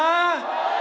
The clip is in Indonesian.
itu akan dikoblos